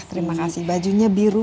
terima kasih bajunya biru